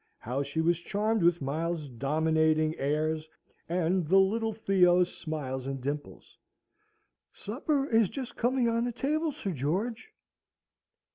How she was charmed with Miles's dominating airs, and the little Theo's smiles and dimples! "Supper is just coming on the table, Sir George.